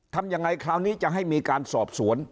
ทำยังไงคราวนี้จะให้มีการสอบสวน